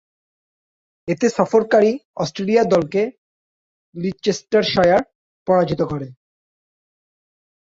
এতে সফরকারী অস্ট্রেলিয়া দলকে লিচেস্টারশায়ার পরাজিত করে।